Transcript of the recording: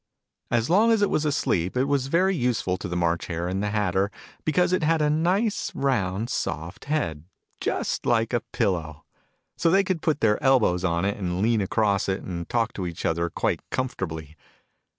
As long as it was asleep, it was very useful to the March Hare and the Hatter, because it had a nice round soft head, just like a pillow : so they could put their elbows on it, and lean across it, and talk to each other quite comfort ably.